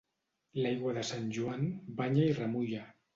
L'aigua de Sant Joan banya i remulla.